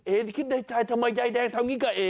คิดในใจทำไมยายแดงทำอย่างนี้กับเอ๋